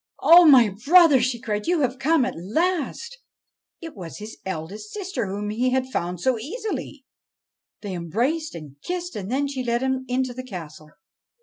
' O my brother !' she cried ;' you have come at last I ' It was his eldest sister whom he had found so easily. They embraced and kissed, and then she led him into the castle.